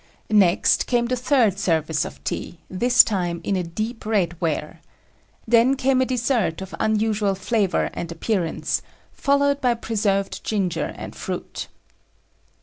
Next came the third service of tea, this time in a deep red ware. Then came a dessert of unusual flavor and appearance, followed by preserved ginger and fruit.